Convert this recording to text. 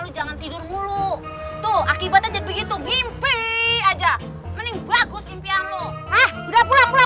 lu jangan tidur mulu tuh akibatnya begitu mimpi aja mending bagus impian lu udah pulang pulang